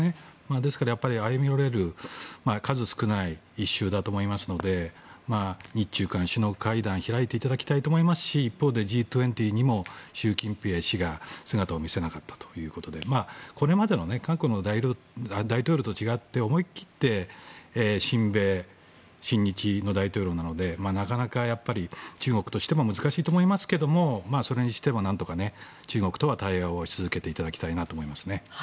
ですから、歩み寄れる数少ないイシューだと思いますので日中韓首脳会談を開いていただきたいと思いますし一方でＧ２０にも習近平氏が姿を見せなかったということなのでこれまでの過去の大統領と違って思い切って親米、親日の大統領なのでなかなか中国としても難しいと思いますけどそれにしても何とか中国とは対話をし続けていただきたいなと思いますね。